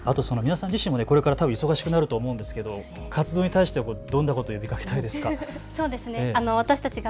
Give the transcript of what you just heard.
皆さん自身もこれから忙しくなると思うんですけれども活動に対してどんなことを呼びかけたいですか。